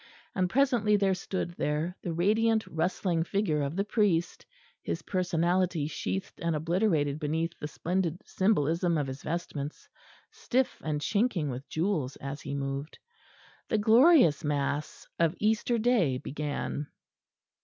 And presently there stood there the radiant rustling figure of the Priest, his personality sheathed and obliterated beneath the splendid symbolism of his vestments, stiff and chinking with jewels as he moved. The glorious Mass of Easter Day began.